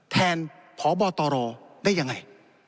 แทนพบตรได้ยังไง